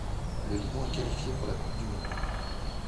Le Liban est qualifié pour la Coupe du monde.